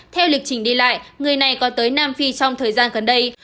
theo lịch trình đi lại người này có tới nam phi trong thời gian gần đây